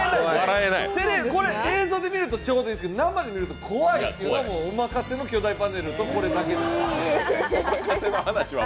映像で見るとちょうどいいんですけど、生で見るとでかいというのは「おまかせ」の巨大パネルとこれだけです。